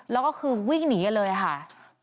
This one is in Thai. แล้วก็คือวิ่งหนีกันเลยค่ะ